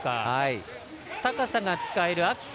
高さが使える秋田